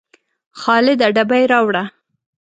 خالده ډبې راوړه